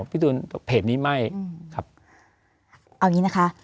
พี่ตูนเพจนี้ไม่ครับเอาอย่างงี้นะคะ